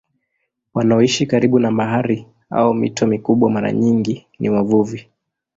Wanaoishi karibu na bahari au mito mikubwa mara nyingi ni wavuvi.